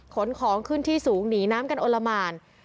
ขนของขึ้นที่สูงหนีน้ำกันอลละหมาน